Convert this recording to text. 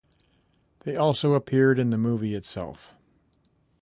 They also appeared in the movie itself.